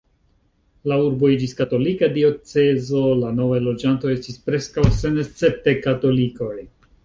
La urbo iĝis katolika diocezo, la novaj loĝantoj estis preskaŭ senescepte katolikoj.